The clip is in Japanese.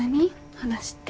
話って。